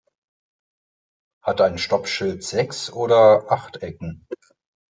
Hat ein Stoppschild sechs oder acht Ecken?